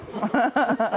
ハハハハ。